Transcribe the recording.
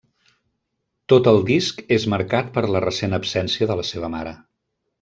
Tot el disc és marcat per la recent absència de la seva mare.